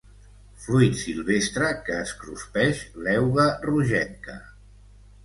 Fruit silvestre que es cruspeix l'euga rogenca.